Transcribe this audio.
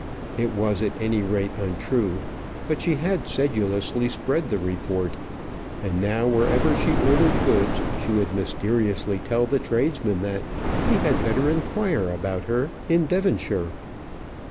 It was at any rate untrue, but she had sedulously spread the report; and now wherever she ordered goods, she would mysteriously tell the tradesman that he had better inquire about her in Devonshire.